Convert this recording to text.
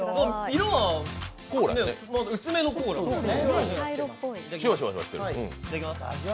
色は薄めのコーラですね。